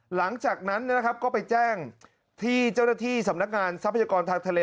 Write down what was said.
หลังจากนั้นนะครับก็ไปแจ้งที่เจ้าหน้าที่สำนักงานทรัพยากรทางทะเล